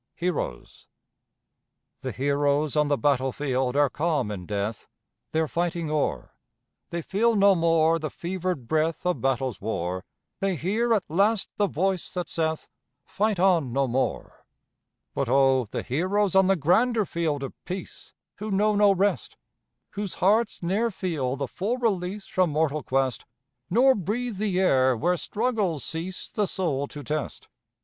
HEROES. The heroes on the battlefield are calm in death, Their fighting o'er; They feel no more the fevered breath Of battle's war; They hear at last the voice that saith "Fight on no more." But oh, the heroes on the grander field of peace, Who know no rest! Whose hearts ne'er feel the full release From mortal quest, Nor breathe the air where struggles cease The soul to test.